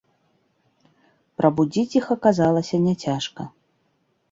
Прабудзіць іх аказалася няцяжка.